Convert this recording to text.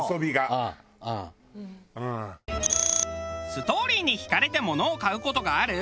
「ストーリーにひかれてものを買う事がある？」。